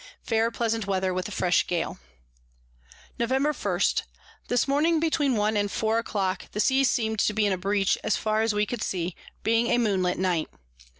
Fair pleasant Weather, with a fresh Gale. Novemb. 1. This Morning between one and four a clock the Sea seem'd to be in a Breach as far as we could see, being a Moon light Night.